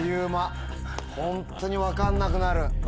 ホントに分かんなくなる。